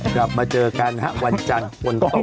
กลับมาเจอกันครับวันจันทร์คนต้อง